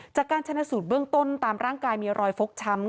จากการชนะสูตรเบื้องต้นตามร่างกายมีรอยฟกช้ำ